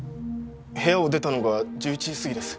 部屋を出たのが１１時すぎです。